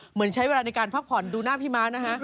เหมือนใช้เวลาในการพักผ่อนดูหน้าพี่ม้านะฮะ